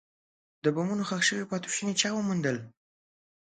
د بمونو ښخ شوي پاتې شوني چا وموندل.